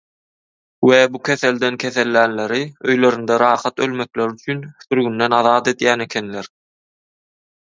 we bu keselden kesellänleri öýlerinde rahat ölmekleri üçin sürgünden azat edýän ekenler.